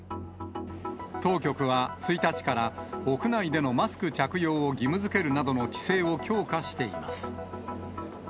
当局は、１日から屋内でのマスク着用を義務づけるなどの規制を強化しています。